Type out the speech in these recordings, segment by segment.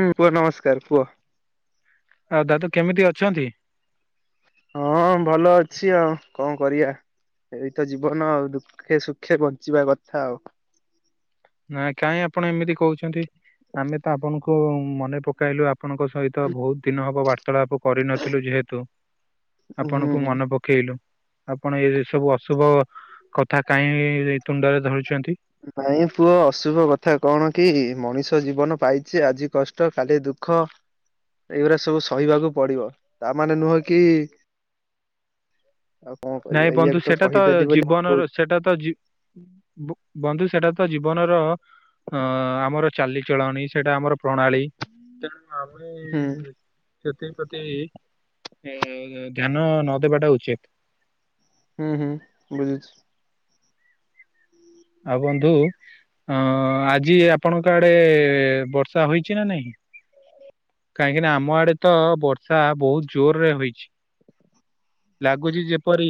ହୁଁ କୁହ ନମସ୍କାର କୁହ। ଆଉ ଦାଦୁ କେମିତି ଅଛନ୍ତି? ହଁ ଭଲ ଅଛି ଆଉ କଣ କରିବା। ଏଇ ତ ଜୀବନ ଆଉ ଦୁଃଖେ ସୁଖେ ବଞ୍ଚିବା କଥା ଆଉ। ନା କାହିଁ ଆପଣ ଏମିତି କହୁଛନ୍ତି। ଆମେ ତ ଆପଣଙ୍କୁ ମନେ ପକେଇଲୁ ଆ ଆପଣଙ୍କ ସହିତ ବହୁତ ଦିନ ହବ ବାର୍ତାଳାପ କରିନଥିଲୁ ଯେହେତୁ ଆପଣଙ୍କୁ ହୁଁ ମନେ ପକେଇଲୁ। ଆପଣ ଏ ସବୁ ଅଶୁଭ କଥା କାହିଁ ଇ ତୁଣ୍ଡରେ ଧରୁଛନ୍ତି। ନାଇଁ ପୁଅ। ଅଶୁଭ କଥା କଣ କି, ମଣିଷ ଜୀବନ ପାଇଛେ ଆଜି କଷ୍ଟ କାଲି ଦୁଃଖ। ଏଇରା ସବୁ ସହିବାକୁ ପଡିବ ତାମାନେ ନୁହେଁ କି? [inaudible] ଆଉ କଣ କରିବା ନାଇଁ ବନ୍ଧୁ ଏଇଆକୁ ସେଟା ତ କହିଦେଲି ବୋଲି ହୁଁ ଜୀବନର ସେଟା ତ ଯି ବୁ ବନ୍ଧୁ ସେଟା ତ ଜୀବନର ଅ ଆମର ଚାଲିଚଳଣି ସେଟା ଆମର ପ୍ରଣାଳୀ ତେଣୁ ଆମେଁ ହୁଁ ସେଥିପ୍ରତି ଏଁ ଧ୍ୟାନ ନଦବାଟା ଉଚିତ। ହୁଁ ହୁଁ ବୁଝୁଚି। ଆଉ ବନ୍ଧୁ ଅଁ ଆଜି ଆପଣଙ୍କ ଆଡେ ବର୍ଷା ହୋଇଚି ନା ନାହିଁ? କାହିଁକି ନା ଆମ ଆଡେ ତ ବର୍ଷା ବହୁତ ଜୋରରେ ହୋଇଛି। ଲାଗୁଛି ଯେପରି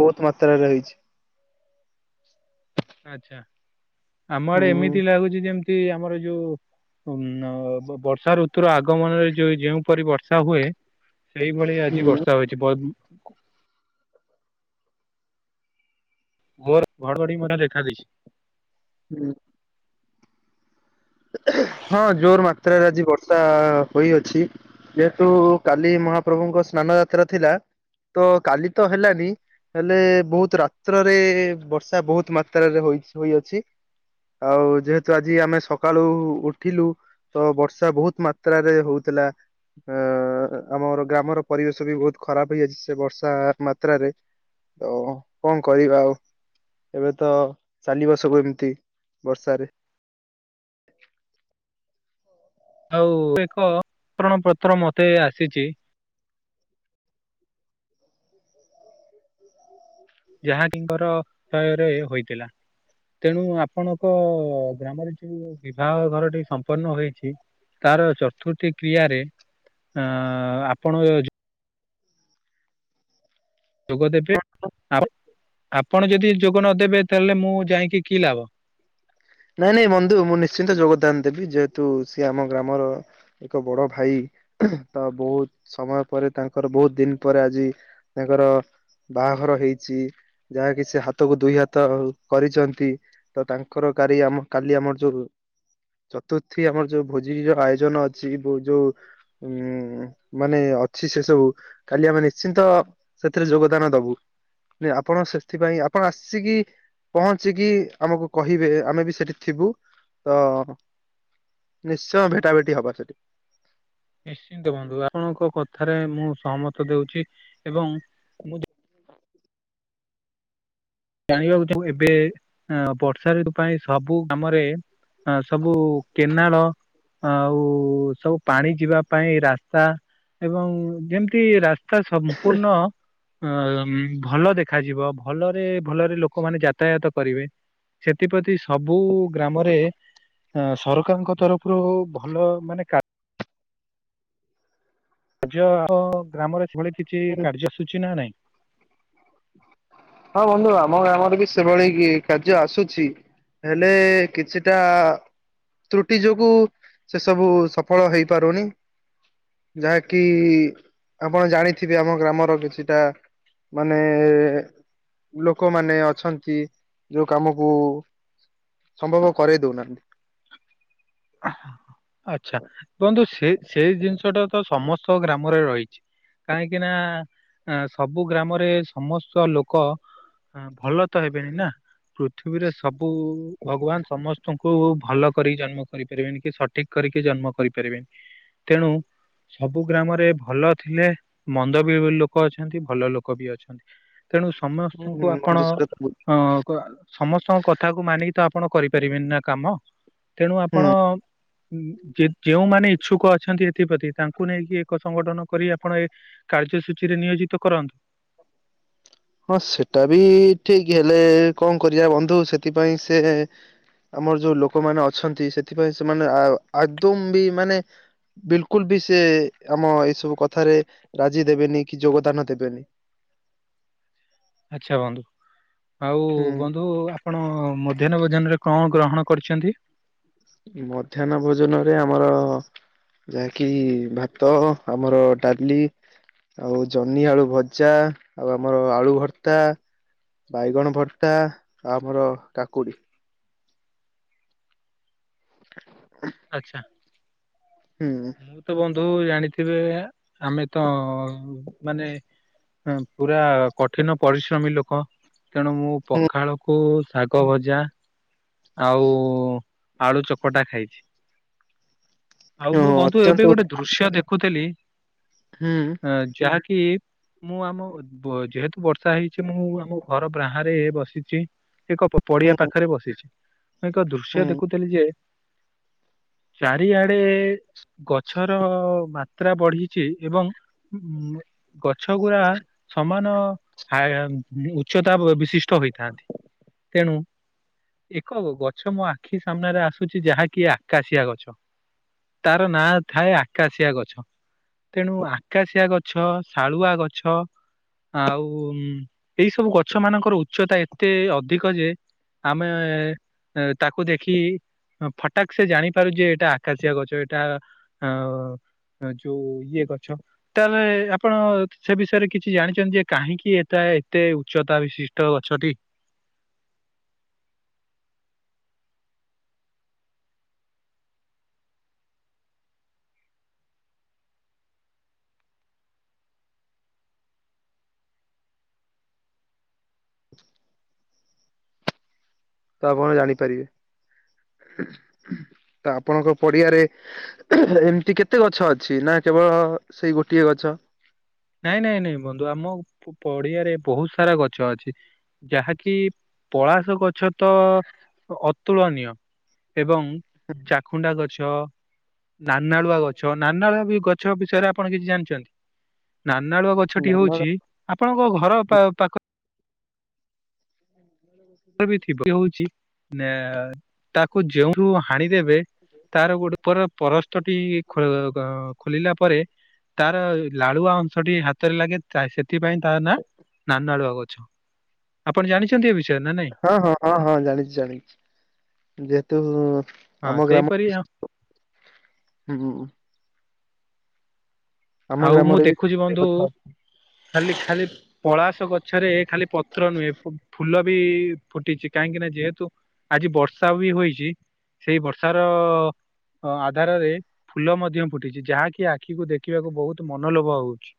ବହୁତ୍ ମାତ୍ରାରେ ହେଇଚି। ଆଚ୍ଛା ଆମ ଆଡେ ହୁଁ ଏମିତି ଲାଗୁଛି ଯେମି ତି ଆମର ଯୋଉ ଉଁ ଆଁ ବୋ ବ ବର୍ଷା ଋତୁର ଆଗମନରେ ଯୋଉ ଯେଉଁ ପରି ବର୍ଷା ହୁଏ ସେଇଭଳି ଆଜି ହୁଁ। ବର୍ଷା ହୋଇଚି ବ ବୁ ଘୋର ଘଡଘଡି ବଡ଼ା ଦେଖା ଦେଇଚି। ହୁଁ। [inaudible] ହଁ ଜୋର ମାତ୍ରାରେ ଆଜି ବର୍ଷା ହୋଇଅଛି। ଯେହେତୁ କାଲି ମହାପ୍ରଭୁଙ୍କ ସ୍ନା ସ୍ନାନ ଯାତ୍ରା ଥିଲା ତ କାଲି ତ ହେଲାନି। ହେଲେ ବହୁତ ରାତ୍ରରେ ବର୍ଷା ବହୁତ ମାତ୍ରାରେ ହୋଇଚି ହୋଇଅଛି। ଆଉ ଯେହେତୁ ଆଜି ଆମେ ସ କାଳୁ ଉଠିଲୁ ତ ବର୍ଷା ବହୁତ ମାତ୍ରାରେ ହୋଉଥିଲା। ଅଁ ଆମର ଗ୍ରାମର ପରିବେଶ ବି ବହୁତ ଖରାପ ହେଇଯାଇଛି ସେଇ ବର୍ଷା ମାତ୍ରାରେ। ତ କଁ କରିବା ଆଉ? ଏବେ ତ ଚାଲିିବସବୁ ଏମିତି ବର୍ଷାରେ। ଆଉ ଏକ ପତ୍ର ମତେ ଆସିଚି। ଯାହାକିଙ୍କର କ୍ଷୟରେ ହୋଇଥିଲା। ତେଣୁ ଆପଣଙ୍କ ଗ୍ରାମରେ ଯୋଉଁ ବିବାହ ଘରଟି ସମ୍ପନ୍ନ ହୋଇଛି ତାର ଚତୁର୍ଥୀ କ୍ରିୟାରେ ଆଁ ଆପଣ ଯୋ ଯୋଗ ଦେବେ ଆଉ। ଆପଣ ଯଦି ଯୋଗ ନଦେବେ ତାହେଲେ ମୁଁ ଯାଇକିଁ କି ଲାଭ? ନାଇଁ ନାଇଁ ବନ୍ଧୁ ମୁଁ ନିଶ୍ଚିନ୍ତ ଯୋଗ ତାନ ଦେବି ଯେହେତୁ ସିଏ ଆମ ଗ୍ରାମର ଏକ ବଡ ଭାଇ ତ ବହୁତ ସମୟ ପରେ ତାଙ୍କର ବହୁତ ଦିନ ପରେ ଆଜି ତାଙ୍କର ବାହାଘର ହେଇଚି ଯାହା କି ସେ ହାତକୁ ଦୁଇ ହାତ କରିଚନ୍ତି ତ ତାଙ୍କର କାରି ଆମ କାଲି ଆମର ଯୋଉ ଚତୁର୍ଥୀ ଆମର ଯୋଉ ଭୋଜିର ଆୟୋଜନ ଅଛି ବୋ ଯୋଉ ଉଁ ମାନେ ଅଛି ସେ ସବୁ କାଲି ଆମେ ନିଶ୍ଚିନ୍ତ ସେଥିରେ ଯୋଗଦାନ ଦବୁ ହେ ଆପଣ ସେ ସେଥିପାଇଁ ଆପଣ ଆସିକି ପହଞ୍ଚିକି ଆମକୁ କହିବେ ଆମେ ବି ସେଠି ଥିବୁ। ତ ନିଶ୍ଚୟ ଭେଟା ଭେଟି ହବା ସେଟି। ନିଶ୍ଚିନ୍ତ ବନ୍ଧୁ ଆପଣଙ୍କ କଥାରେ ମୁଁ ସହମତ ଦଉଚି ଏବଂ ମୁଁ ଯ ଜାଣିବାକୁ ଚାଁଉ ଏବେ ଏଁ ବର୍ଷା ଋତୁ ପାଇଁ ସବୁ ଗାମରେ ହଁ ସବୁ କେନାଳ ଆଉ ସବୁ ପାଣି ଯିବା ପାଇଁ ରାସ୍ତା ଏବଂ ଯେମିତି ରାସ୍ ତା ସମ୍ପୂର୍ଣ୍ଣ ଅଁ ଭଲ ଦେଖାଯିବ ଭଲରେ ଭଲରେ ଲୋକମାନେ ଯାତାୟତ କରିବେ ସେଥିପ୍ରତି ସବୁ ଗ୍ରାମରେ ଅଁ ସରକାରଙ୍କ ତରଫରୁ ଭଲ ମାନେ କା ର୍ଯ୍ୟ ୟ ଗ୍ରାମରେ ସେଭଳି କିଛି ହୁଁ କାର୍ଯ୍ୟସୂଚୀ ନା ନାହିଁ। [inaudible] ହଁ ବନ୍ଧୁ ଆମ ଗ୍ରାମରେ ବି ସେଭଳି କି କାର୍ଯ୍ୟ ଆସୁଛି। ହେଲେ କିଛିଟା ତ୍ରୁଟି ଯୋଗୁ ସେ ସବୁ ସଫଳ ହେଇପାରୁନି। ଯାହାକି ଆପଣ ଜାଣିଥିବେ ଆମ ଗ୍ରାମର କିଛିଟା ମାନେ ଏ ଲୋକମାନେ ଅଛନ୍ତି ଯୋଉ କାମକୁ ସମ୍ଭବ କରେଇ ଦଉନାହାନ୍ତି। [inaudible] ଆଚ୍ଛା। ବନ୍ଧୁ ସେ ସେଇ ଜିନିଷଟା ତ ସମସ୍ତ ଗ୍ରାମରେ ରହିଚି। କାହିଁକି ନା ସବୁ ଗ୍ରାମରେ ସମସ୍ତ ଲୋକ ଭଲ ହେବେନି ନା। ପୃଥିବୀରେ ସବୁ ଭଗବାନ ସମସ୍ତଙ୍କୁ ଭଲ କରି ଜନ୍ମ କରିପାରିବେନି। କି ସଠିକ୍ କରିକି ଜନ୍ମ କରିପାରିବେନି ତେଣୁ ସବୁ ଗ୍ରାମରେ ଭଲ ଥିଲେ ମନ୍ଦ ବି ଲୋକ ଅଛନ୍ତି ଭଲ ଲୋକ ବି ଅଛନ୍ତି। ତେଣୁ ସମସ୍ତଙ୍କୁ ହୁଁ ଆପଣ ବନ୍ଧୁ ସେଟା ତ ହୁଁ ଅ ସମସ୍ତଙ୍କ କଥାକୁ ମାନିକି ତ ଆ ପଣ କରିପାରିବେନି ନା କାମ। ତେଣୁ ଆପଣ ଯେଉଁମାନେ ଇଚ୍ଛୁକ ଅଛନ୍ତି ଏଥିପ୍ରତି ତାଙ୍କୁ ନେଇକି ଏକ ସଂଗଠନ କରି ଆପଣ ଏ କାର୍ଯ୍ୟ ସୂଚୀରେ ନିୟୋଜିତ କରନ୍ତୁ। [inaudible] ହଁ ସେଟା ବି ଠିକ୍ ହେଲେ କଣ କରିବା ବନ୍ଧୁ ସେଥିପାଇଁ ସେ ଆମର ଯୋଉ ଲୋକମାନେ ଅଛନ୍ତି ସେଥିପାଇଁ ସେମାନେ ଆଦୌ ବି ମାନେ ବିଲକୁଲ ବି ସେ ଆମ ଏଇ ସବୁ କଥାରେ ରାଜି ଦେବେନି କି ଯୋଗଦାନ ଦେବେନି। ଆଚ୍ଛା ବନ୍ଧୁ ଆଉ ବନ୍ଧୁ ହୁଁ ଆପଣ ମଧ୍ୟାହ୍ନ ଭୋ ଜନ ରେ କଣ ଗ୍ରହଣ କରିଛନ୍ତି? ମଧ୍ୟାହ୍ନ ଭୋଜନ ରେ ଆମର ଯାହାକି ଭାତ ଆମର ଡାଲି ଆଉ ଜହ୍ନି ଆଳୁ ଭଜା ଆଉ ଆମର ଆଳୁ ଭର୍ତ୍ତା ବାଇଗଣ ଭର୍ତା ଆଉ ଆମର କାକୁଡି। [inaudible] ଆଚ୍ଛା। ହୁଁ ମୁଁ ତ ବନ୍ଧୁ ଜାଣିଥିବେ ଆମେ ତ ମାନେ ପୁରା କଠିନ ପରିଶ୍ରମୀ ଲୋକ। ତେଣୁ ମୁଁ ହୁଁ ପଖାଳକୁ ଶାଗ ଭଜା ଆଉ ଆଳୁ ଚକଟା ଖାଇଛି। [inaudible] ହଁ ମୁଁ ବନ୍ଧୁ ଏବେ ଅତ୍ୟନ୍ତ ଗୋଟେ ଦୃଶ୍ୟ ଦେଖୁଥିଲି, ହୁଁ ଅ ଯାହାକି ମୁଁ ଆମ ଯେହେତୁ ବର୍ଷା ହେଇଛି ମୁଁ ଆମ ଘର ବାହାରେ ରେ ବସିଚି। ଏକ ପଡିଆ ହୁଁ ପାଖରେ ବସିଚି। ମୁଁ ଏକ ଦୃଶ୍ୟ ହୁଁ ଦେଖୁଥିଲି ଯେ ଚାରିଆଡେ ଗଛର ମାତ୍ରା ବଢିଚି। ଏବଂ ଗଛ ଗୁରା ସମାନ [unintelligible] ଉଚ୍ଚତା ବିଶିଷ୍ଟ ହୋଇଥାନ୍ତି। ତେଣୁ ଏକ ଗଛ ମୋ ଆଖି ସାମ୍ନାରେ ଆସୁଚି ଯାହାକି ଆକାଶିଆ ଗଛ। ତାର ନାଁ ଥାଏ ଆକାଶିଆ ଗଛ। ତେଣୁ ଆକାଶିଆ ଗଛ, ଶାଳୁଆ ଗଛ ଆଉ ଏଇ ସବୁ ଗଛ ମାନଙ୍କର ଉଚ୍ଚତା ଏତେ ଅଧିକ ଯେ ଆମେ ତାକୁ ଦେଖି ଫଟାକ୍ ସେ ଜାଣିପାରୁ ଯେ ଏଇଟା ଆକାଶିଆ ଗଛ। ଏଇଟା ଅ ଯୋଉ ଇଏ ଗଛ। ତାହେଲେ ଆପଣ ସେ ବିଷୟରେ କିଛି ଜାଣିଛନ୍ତି ଯେ କାହିଁକି ଏଟା ଏତେ ଉଚ୍ଚତା ବିଶିଷ୍ଟ ଗଛଟି। [inaudible] ତ ଆପଣ ଜାଣିପାରିବେ। ତ ଆପଣଙ୍କ ପଡିଆରେ ଏମତି କେତେ ଗଛ ଅଛି? ନା କେବଳ ସେଇ ଗୋଟିଏ ଗଛ ନାଇଁ ନାଇଁ ନାଇଁ ବନ୍ଧୁ ଆମ ପଡିଆରେ ବହୁତ ସାରା ଗଛ ଅଛି। ଯାହାକି ପଳାସ ଗଛ ତ ଅତୁଳନୀୟ। ଏବଂ ଚାଖୁଣ୍ଡା ଗଛ ନାନାଳୁଆ ଗଛ ନାନାଳୁଆ ବି ଗଛ ବିଷୟରେ ଆପଣ କିଛି ଜାଣିଛନ୍ତି? ନାନାଳୁଆ ଗଛଟି ନାନ ହଉଛି ଆପଣଙ୍କ ଘର ପା-ପାଖ ଥିବ ହଉଛି ନା ତାକୁ ଯେଉଁ ଯଉ ହାଣିଦେବେ ତାର ଗୋଟେ ଉପ ପରସ୍ତଟି ଖୋଲିଲା ପରେ ତାର ଲାଳୁଆ ଅଂଶଟି ହାତରେ ଲାଗେ ସେଥିପାଇଁ ତା ନା ନାନା ଆଳୁଆ ଗଛ ଆପଣ ଜାଣିଛନ୍ତି ଏ ବିଷୟରେ? ନା ନାଇଁ ହଁ ହଁ ହଁ ହଁ ଜାଣିଛୁ ଜାଣିଛି ଯେହେତୁ ହଁ ସେଇପରି ହଁ ହ ହ। ଆଉ ମୁଁ ଗ୍ରାମରେ ବି ଦେଖୁଛି ବନ୍ଧୁ କଥା ଖାଲି ଖାଲି ପଳାସ ଗଛରେ ଖାଲି ପତ୍ର ନୁହେଁ ଫୁଲ ବି ଫୁଟିଛି କାହିଁକି ନା ଯେହେତୁ ଆଜି ବର୍ଷା ବି ହୋଇଛି ସେଇ ବର୍ଷାର ଆଧାରରେ ଫୁଲ ମଧ୍ୟ ଫୁଟିଛି ଯାହାକି ଆଖିକୁ ଦେଖି ଦେଖିବାକୁ ବହୁତ ମନଲୋଭା ହଉଛି।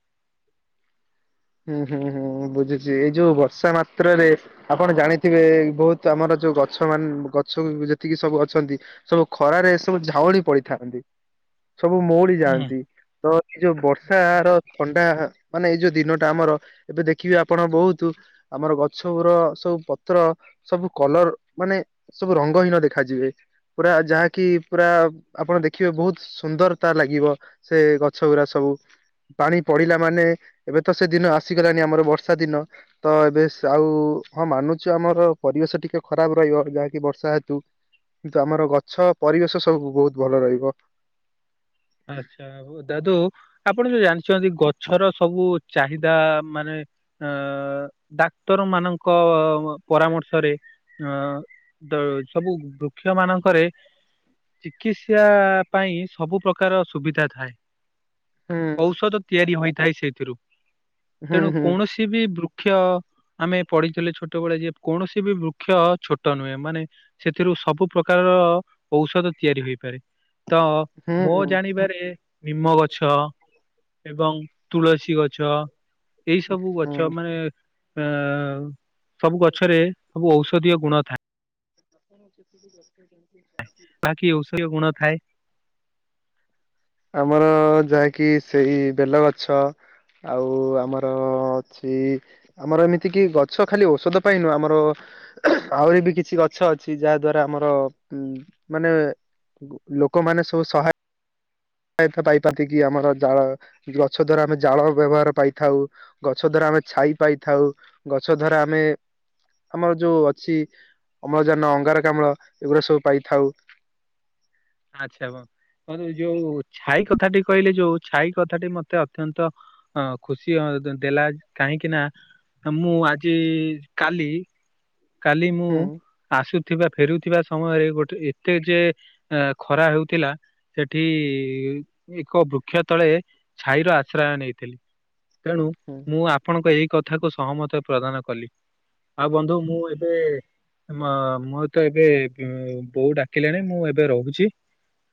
ହୁଁ ହୁଁ ହୁଁ ବୁଝୁଛି ଏଇ ଯୋଉ ବର୍ଷା ମାତ୍ରରେ ଆପଣ ଜାଣିଥିବେ ବହୁତ ଆମର ଯୋଉ ଗଛ ମାନ ଗଛ ଯେତିକି ସବୁ ଅଛନ୍ତି ସବୁ ଖରାରେ ସବୁ ଝାଉଳି ପଡିଥାନ୍ତି। ସବୁ ମଉଳି ହୁଁ। ଯାଆନ୍ତି ତ ଏ ଯୋଉ ବର୍ଷ ର ଥଣ୍ଡା ମାନେ ଏଇ ଯୋଉ ଦିନ ଆର ଏବେ ଦେଖିବେ ଆପଣ ବହୁତ ଆମର ଗଛ ସବୁ ପତ୍ର ସବୁ କଲର ମାନେ ସବୁ ରଙ୍ଗହୀନ ଦେଖାଯିବେ। ପୁରା ଯାହାକି ପୁରା ଆପଣ ଦେଖିବେ ବହୁତ ସୁନ୍ଦର ତା ଲାଗିବ ସେ ଗଛ ଗୁଡା ସବୁ। ପାଣି ପଡିଲା ମାନେ ଏବେ ତ ସେ ଦିନ ଆସିଗଲାଣି ଆମର ବର୍ଷା ଦିନ ତ ଏବେ ଆଉ ହଁ ମାନୁଛୁ ଆମର ପରିବେଶ ଟିକେ ଟିକେ ଖରାପ ରହିବ ଯାହାକି ବର୍ଷା ହେତୁ କିନ୍ତୁ ଆମର ଗଛ ପରିବେଶ ସବୁ ବହୁତ ଭଲ ରହିବ। ଆଚ୍ଛା ଦାଦୁ ଆପଣ ଯୋଉ ଜାଣି ଛନ୍ତି ଗଛର ସବୁ ଚାହିଦା ମାନେ ଅ ଡାକ୍ତର ମାନଙ୍କ ପ-ପରାମର୍ଶରେ ଅ ସବୁ ବୃକ୍ଷ ମାନଙ୍କରେ ଚିକିତ୍ସା ପାଇଁ ସବୁ ପ୍ରକାର ପ୍ରକାର ସୁବିଧା ଥାଏ ହୁଁ ଔଷଧ ତିଆରି ହୋଇଥାଏ ସେଇଥିରୁ। ହୁଁ ତେଣୁ ହୁଁ। କୌଣସି ବି ବୃକ୍ଷ ଆମେ ପଢିଥିଲେ ଛୋଟବେେଳେ ଯେ କୌଣସି ବି ବୃକ୍ଷ ଛୋଟ ନୁହେଁ ମାନେ ସେଥିରୁ ସବୁ ପ୍ରକାର ଔଷଧ ତିଆରି ହୋଇପାରେ। ତ ହୁଁ ମୋ ହୁଁ। ଜାଣିବାରେ ନିମ ଗଛ ଏବଂ ତୁଳସୀ ଗଛ ଏଇ ସବୁ ଗଛ ମାନେ ଅ ସବୁ ଗଛରେ ସବୁ ଔଷଧୀୟ ଗୁଣ ଥାଏ। ଆପଣ ସେଠି ବ ବାକି ଔଷଧ ଗୁଣ ଥାଏ। ଆମର ଯାହା କିି ସେଇ ବେଲ ଗଛ ଆଉ ଆମର ଅଛି ଆମର ଏମିତି କି ଗଛ ଖାଲି ଔଷଧ ପାଇଁନୁହଁ ଆମର ଆହୁରି ବି କିଛି ଗଛ ଅଛି ଯାହା ଦ୍ଵାରା ଆମର ଉ ମାନେ ଲୋକମାନେ ସବୁ ସହାୟ ପାଇପତି କିି ଆମର ଜାଳ ଗଛ ଦ୍ଵାରା ଆମେ ଜାଳ ବ୍ୟବହାର ପାଇଥାଉ ଗଛ ଦ୍ଵାରା ଆମେ ଛାଇ ପାଇଥାଉ ଗଛ ଦାରା ଆମେ ଆମର ଯୋଉ ଅଛି ଅମ୍ଳଜାନ ଅଙ୍ଗାରକାମ୍ଳ ଏଗୁଡା ସବୁ ପାଇଥାଉ। ଆଛା ହୋ। ମ ଯୋଉ ଛାଇ କଥାଟି କହିଲେ ଯୋଉ ଛାଇ କଥାଟି ମତେ ଅତ୍ୟନ୍ତ ଅ ଖୁସି ଦେଲା କାହିଁକି ନା ମୁଁ ଆଜି କାଲି କାଲି ମୁଁ ହୁଁ ଆସୁଥିବା ଫେରୁଥିବା ସମୟରେ ଗୋଟେ ଏତେ ଯେ ଅ ଖରା ହେଉଥିଲା ସେଠି ଏକ ବୃକ୍ଷ ତଳେ ଛାଇର ଆଶ୍ରୟ ନେଇଥିଲି ତେଣୁ ହୁଁ। ମୁଁ ଆପଣଙ୍କ ଏଇ କଥାକୁ ସହମତ ପ୍ରଦାନ କଲି ଆଉ ବନ୍ଧୁ ମୁଁ ଏବେ ମ ମୁଁ ତ ଏବେ ବୋଉ ଡାକିଲେଣି ମୁଁ ଏ ବେ ରହୁଛି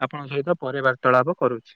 ଆପଣଙ୍କ ସହିତ ପରେ ବାର୍ତ୍ତାଳାପ କରୁଛି।